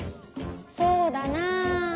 そうだなあ。